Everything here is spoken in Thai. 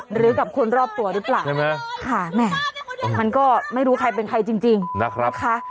หรือกับคนรอบตัวรึเปล่าค่ะแม่มันก็ไม่รู้ใครเป็นใครจริงนะคะ